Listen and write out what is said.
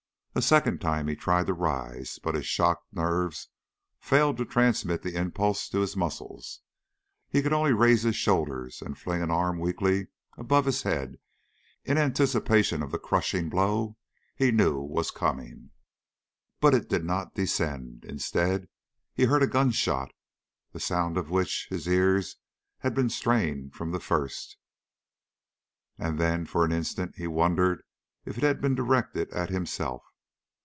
A second time he tried to rise, but his shocked nerves failed to transmit the impulse to his muscles; he could only raise his shoulder and fling an arm weakly above his head in anticipation of the crushing blow he knew was coming. But it did not descend, Instead, he heard a gun shot that sound for which his ears had been strained from the first and then for an instant he wondered if it had been directed at himself.